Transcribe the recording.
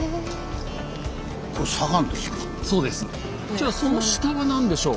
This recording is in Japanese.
じゃあその下は何でしょう？